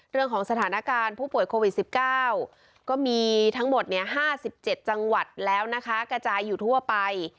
เรื่องของสถานการณ์ผู้ป่วยโควิด๑๙ก็มีทั้งหมด๕๗จังหวัดแล้วนะคะกระจายอยู่ทั่วไป